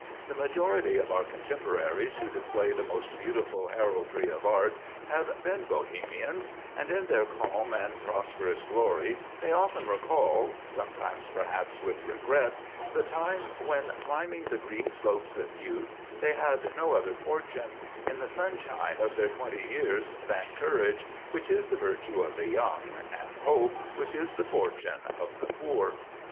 The majority of our contemporaries who display the most beautiful heraldry of art have been Bohemians; and, in their calm and prosperous glory, they often recall, sometimes perhaps with regret, the time when, climbing the green slopes of youth, they had no other fortune, in the sunshine of their twenty years, than courage, which is the virtue of the young, and hope, which is the fortune of the poor.